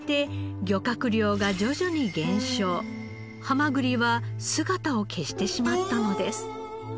ハマグリは姿を消してしまったのです。